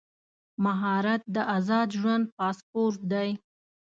مهارت د ازاد ژوند پاسپورټ دی.